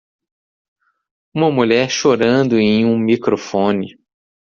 Uma mulher chorando em um microfone.